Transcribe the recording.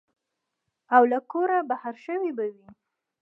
او له کوره بهر شوي به وي.